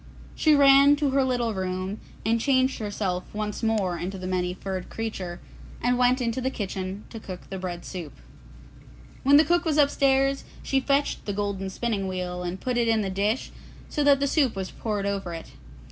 She ran to her little room and changed herself once more into the Many furred Creature, and went into the kitchen to cook the bread soup. When the cook was upstairs, she fetched the golden spinning wheel and put it in the dish so that the soup was poured over it.